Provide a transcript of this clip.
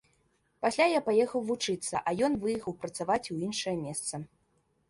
Пасля я паехаў вучыцца, а ён выехаў працаваць у іншае месца.